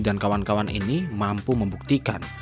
dan kawan kawan ini mampu membuktikan